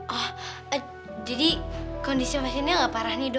oh jadi kondisi masinnya gak parah nih dok